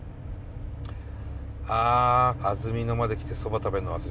あ安曇野まで来てそば食べるの忘れた。